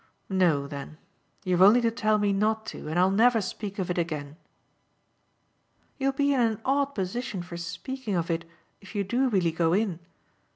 "No, then. You've only to tell me not to, and I'll never speak of it again." "You'll be in an odd position for speaking of it if you do really go in.